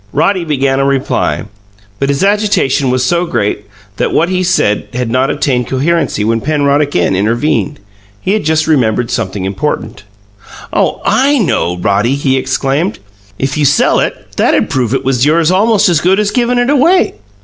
Roddy began a reply, but his agitation was so great that what he said had not attained coherency when Penrod again intervened. He had just remembered something important. "Oh, I know, Roddy!" he exclaimed. "If you sell it, that'd prove it was yours almost as good as givin' it away.